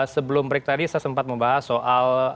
sebelum break tadi saya sempat membahas soal